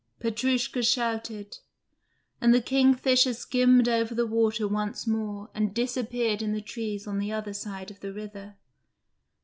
Petrushka shouted; and the kingfisher skimmed over the water once more and disappeared in the trees on the other side of the river.